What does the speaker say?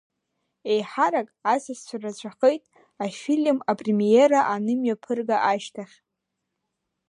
Еиҳарак асасцәа рацәахеит афильм апремиера анымҩаԥырга ашьҭахь.